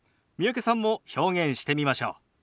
三宅さんも表現してみましょう。